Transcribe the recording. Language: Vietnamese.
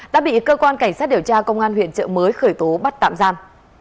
đã bị cơ quan cảnh sát điều tra công an huyện trợ mới khởi tố bắt tạm giam